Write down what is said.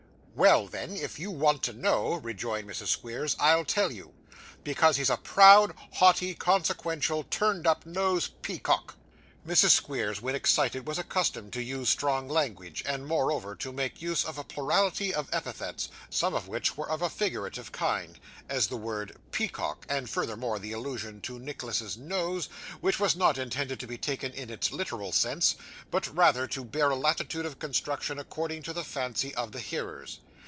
'Well, then, if you want to know,' rejoined Mrs. Squeers, 'I'll tell you. Because he's a proud, haughty, consequential, turned up nosed peacock.' Mrs. Squeers, when excited, was accustomed to use strong language, and, moreover, to make use of a plurality of epithets, some of which were of a figurative kind, as the word peacock, and furthermore the allusion to Nicholas's nose, which was not intended to be taken in its literal sense, but rather to bear a latitude of construction according to the fancy of the hearers.